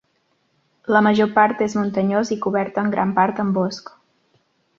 La major part és muntanyós i cobert en gran part amb bosc.